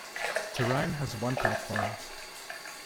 Terang has one platform.